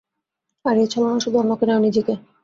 আর, এই ছলনা শুধু অন্যকে নয়, নিজেকে।